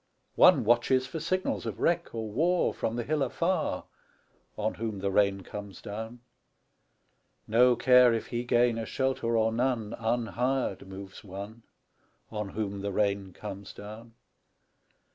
One watches for signals of wreck or war From the hill afar, On whom the rain comes down. No care if he gain a shelter or none, Unhired moves one, On whom the rain comes down.